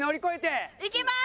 いきます！